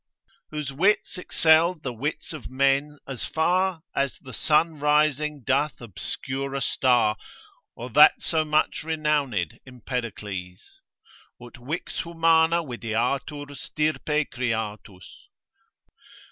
Whose wit excell'd the wits of men as far, As the sun rising doth obscure a star, Or that so much renowned Empedocles, Ut vix humana videatur stirpe creatus.